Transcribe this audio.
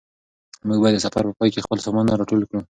موږ باید د سفر په پای کې خپل سامانونه راټول کړو.